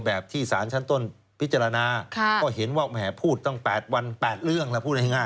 แบบที่สารชั้นต้นพิจารณาก็เห็นว่าแหมพูดตั้ง๘วัน๘เรื่องแล้วพูดง่าย